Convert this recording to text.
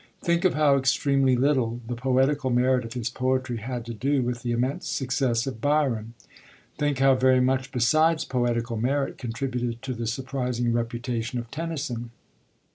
Think of how extremely little the poetical merit of his poetry had to do with the immense success of Byron; think how very much besides poetical merit contributed to the surprising reputation of Tennyson.